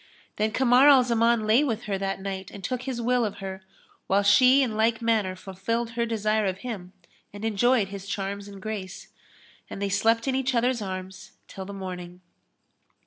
Then Kamar al Zaman lay with her that night and took his will of her, whilst she in like manner fulfilled her desire of him and enjoyed his charms and grace; and they slept in each other's arms till the morning.